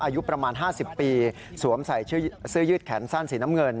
อายุประมาณ๕๐ปีสวมใส่เสื้อยืดแขนสั้นสีน้ำเงิน